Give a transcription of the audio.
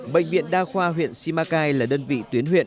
bệnh viện đa khoa huyện simacai là đơn vị tuyến huyện